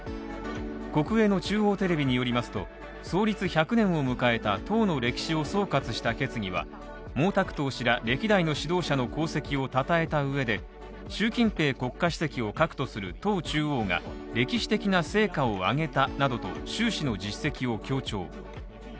国営の中央テレビによりますと、創立１００年を迎えた党の歴史を総括した決議は、毛沢東氏ら歴代の指導者の功績をたたえた上で、習近平国家主席を核とする党中央が歴史的な成果を上げたなどと習氏の実績を強調。